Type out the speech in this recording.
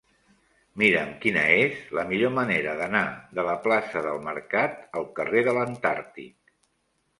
Mira'm quina és la millor manera d'anar de la plaça del Mercat al carrer de l'Antàrtic.